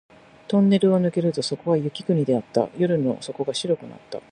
トンネルを抜けるとそこは雪国であった。夜の底が白くなった